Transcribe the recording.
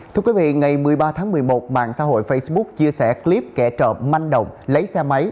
thưa quý vị ngày một mươi ba tháng một mươi một mạng xã hội facebook chia sẻ clip kẻ trộm manh động lấy xe máy